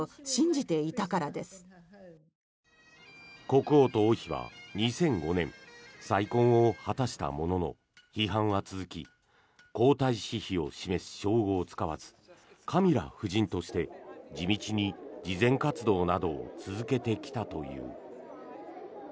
国王と王妃は２００５年再婚を果たしたものの批判は続き皇太子妃を示す称号を使わずカミラ夫人として地道に慈善活動などを続けてきたという。